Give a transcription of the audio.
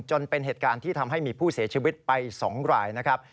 จนเป็นเหตุการณ์ที่ทำให้มีผู้เสียชีวิตไป๒รายนะครับ